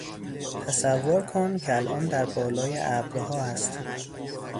تصور کن که الان در بالای ابرها هستی.